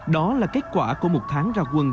đó là kết quả của một tháng ra quân